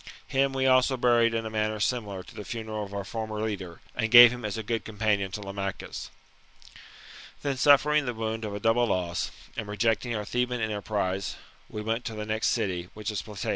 Him we also buried in a manner similar to the funeral of our former leader, and gave him as a good companion to Lamachus. " Then, suffering the wound of a double loss, and rejecting our Theban enterprise, we went to the next city, which is Platea.